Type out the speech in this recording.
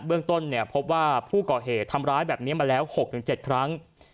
เรื่องต้นเนี่ยพบว่าผู้ก่อเหตุทำร้ายแบบนี้มาแล้ว๖๗ครั้ง